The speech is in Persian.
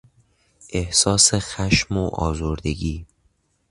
احساس خشم و آزردگی